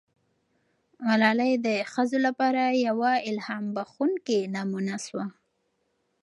ملالۍ د ښځو لپاره یوه الهام بښونکې نمونه سوه.